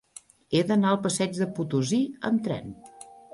He d'anar al passeig de Potosí amb tren.